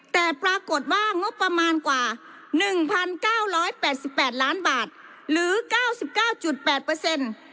แต่ปรากฏว่างบประมาณกว่าหนึ่งพันเก้าร้อยแปดสิบแปดล้านบาทหรือเก้าสิบเก้าจุดแปดเปอร์เซ็นต์